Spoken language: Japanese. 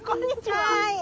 はい。